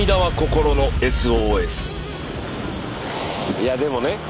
いやでもね